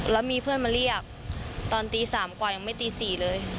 แล้วมีเพื่อนมาเรียกตอนตี๓กว่ายังไม่ตี๔เลย